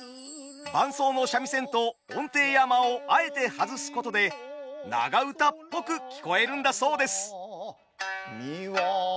伴奏の三味線と音程や間をあえて外すことで長唄っぽく聞こえるんだそうです。